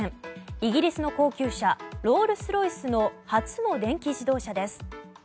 イギリスの高級車ロールスロイスの初の電気自動車です。